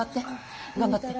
頑張って。